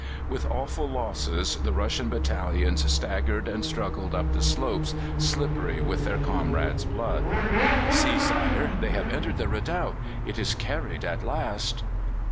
With awful losses the Russian battalions staggered and struggled up the slopes slippery with their comrades' blood. "See, sire, they have entered the redoubt; it is carried at last!"